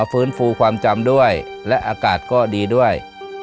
ฟื้นฟูความจำด้วยและอากาศก็ดีด้วย